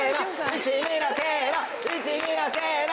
１２のせの１２のせの。